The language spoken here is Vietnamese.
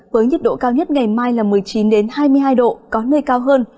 với nhiệt độ cao nhất ngày mai là một mươi chín hai mươi hai độ có nơi cao hơn